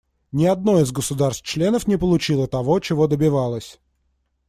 Ни одно из государств-членов не получило того, чего добивалось.